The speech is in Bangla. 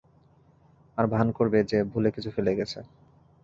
আর ভাণ করবে যে ভুলে কিছু ফেলে গেছে।